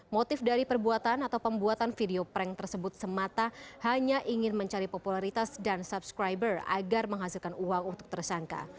motif dari perbuatan atau pembuatan video prank tersebut semata hanya ingin mencari popularitas dan subscriber agar menghasilkan uang untuk tersangka